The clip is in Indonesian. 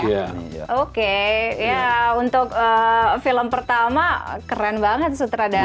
riset risetnya itu lebih banyak riset emosional gitu karena filmnya tidak menggali ke dalam perasaan perasaan saya sendiri sih gitu investigasi